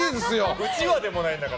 うちわでもないんだから。